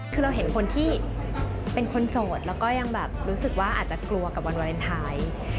คือเราเห็นคนที่เป็นคนโสดแล้วก็ยังแบบรู้สึกว่าอาจจะกลัวกับวันวาเลนไทย